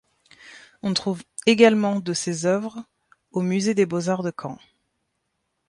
On trouve également de ses œuvres au musée des beaux-arts de Caen.